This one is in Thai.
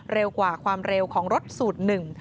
เร็วกว่าความเร็วของรถสูตรหนึ่ง